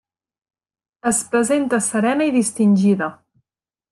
Es presenta serena i distingida.